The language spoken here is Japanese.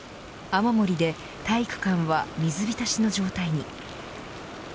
雨漏りで体育館は水浸しの状態に。